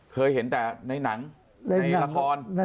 เคยเห็นแต่ในหนังในละคร